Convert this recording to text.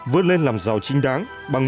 vươn lên làm giàu chính đáng bằng